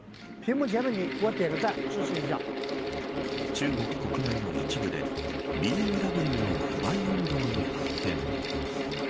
中国国内の一部でＢＭＷの不買運動に発展。